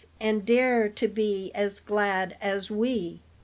And dare to be as glad as we!"